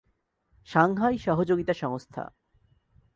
Shanghai সহযোগিতা সংস্থা